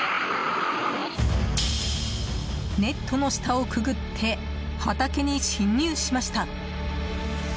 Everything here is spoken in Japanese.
ネットの下をくぐって畑に侵入しました。